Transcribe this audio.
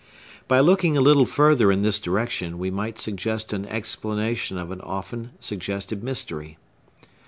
By looking a little further in this direction, we might suggest an explanation of an often suggested mystery.